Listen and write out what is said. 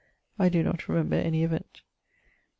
I doe not remember any event[AD].